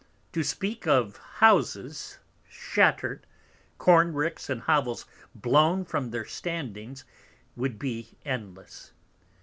To speak of Houses shatter'd, Corn ricks and Hovels blown from their Standings, would be endless.